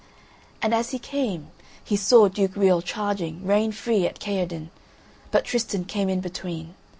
And as he came, he saw Duke Riol charging, rein free, at Kaherdin, but Tristan came in between.